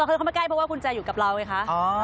เคยเข้ามาใกล้เพราะว่ากุญแจอยู่กับเราไงคะ